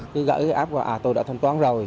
cứ gửi cái app và à tôi đã thanh toán rồi